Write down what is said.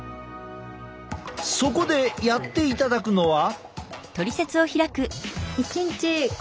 そこでやっていただくのは。